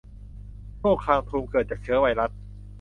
โรคคางทูม เกิดจากเชื้อไวรัส